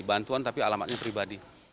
bantuan tapi alamatnya pribadi